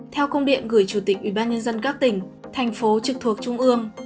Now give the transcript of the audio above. theo công điện gửi chủ tịch ubnd các tỉnh thành phố trực thuộc trung ương